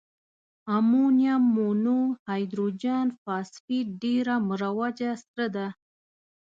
امونیم مونو هایدروجن فاسفیټ ډیره مروجه سره ده.